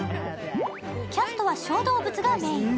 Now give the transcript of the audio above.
キャストは小動物がメーン。